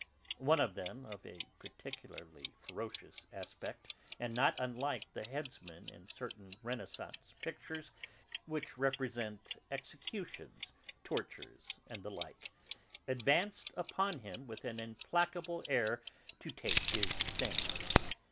One of them, of a particularly ferocious aspect, and not unlike the headsman in certain Renaissance pictures which represent executions, tortures, and the like, advanced upon him with an implacable air to take his 'things.'